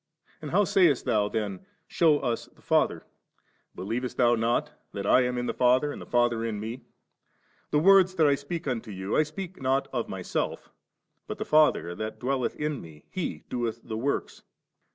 And how saycst thou then, Shew us the Father ? Believest thou not, that I am in the Father and the Father in Me ? the words that I speak unto you, I speak not of Myself, but the Father thatdwelleth in Me, He doeth the works.